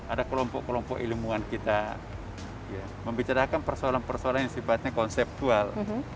ada kelompok kelompok ilmuwan kita membicarakan persoalan persoalan yang sifatnya konseptual